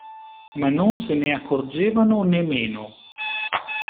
Ma non se ne accorgevano né meno.